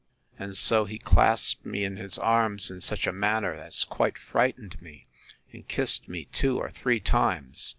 And so he clasped me in his arms in such a manner as quite frightened me; and kissed me two or three times.